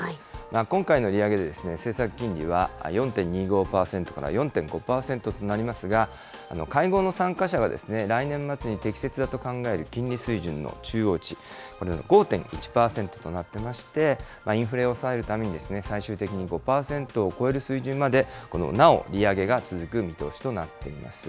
今回の利上げで、政策金利は４．２５％から４．５％となりますが、会合の参加者が来年末に適切だと考える金利水準の中央値、これ、５．１％となっていまして、インフレを抑えるために最終的に５％を超える水準までなお利上げが続く見通しとなっています。